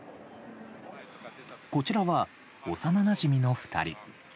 こちらは幼なじみの２人。